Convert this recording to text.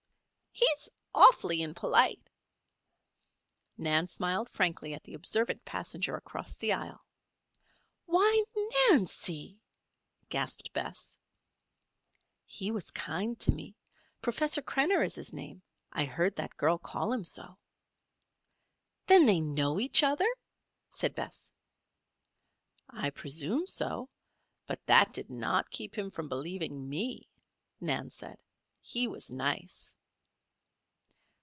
"He's awfully impolite." Nan smiled frankly at the observant passenger across the aisle. "Why, Nancy!" gasped Bess. "He was kind to me. Professor Krenner is his name. I heard that girl call him so." "Then they know each other?" said Bess. "I presume so. But that did not keep him from believing me," Nan said. "He was nice."